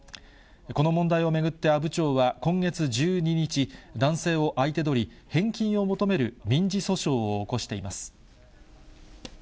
この問題を巡って阿武町は、今月１２日、男性を相手取り、返金を求める民事訴訟を起こしています。